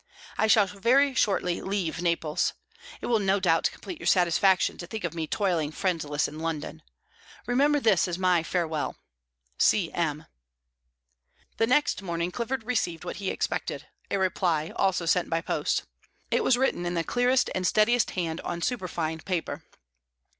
I shall very shortly leave Naples. It will no doubt complete your satisfaction to think of me toiling friendless in London. Remember this as my farewell. C. M." The next morning Clifford received what he expected, a reply, also sent by post. It was written in the clearest and steadiest hand, on superfine paper.